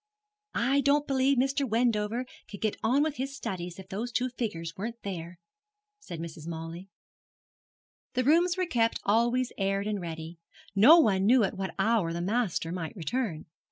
'I don't believe Mr. Wendover could get on with his studies if those two figures weren't there,' said Mrs. Mawley. The rooms were kept always aired and ready no one knew at what hour the master might return.